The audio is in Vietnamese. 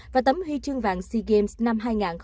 và tấm huy chương vàng sea games năm hai nghìn một mươi chín